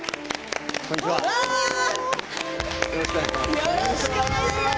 よろしくお願いします。